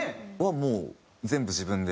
もう全部自分で。